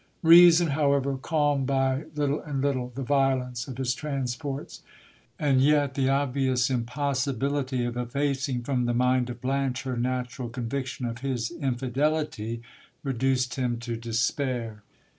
Reason, however, calmed by little and little the violence of his transports. And yet the obvious impossibility of effacing from the mind of Blanche her natural con viction of his infidelity, reduced him to despair.